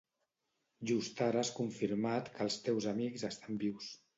Just ara has confirmat que els teus amics estan vius.